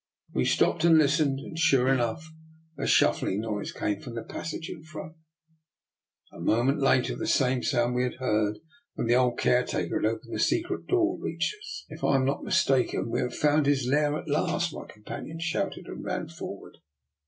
We stopped and listened, and sure enough a shuffling noise came from the passage in front. A moment later the same sound we had heard when the old caretaker had opened the secret door reached us. " If I am not mistaken, we have found his lair at last," my companion shouted and ran forward.